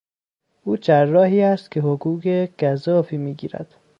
او جراحی است که حقوق گزافی میگیرد.